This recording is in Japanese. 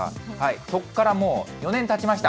そこからもう４年たちました。